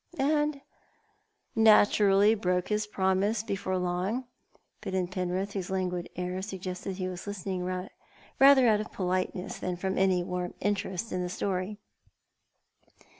"And naturally broke his promise, before long," put in Penrith, whose languid air suggested that he was listening rather out of politeness than fi'om any warm interest in the story.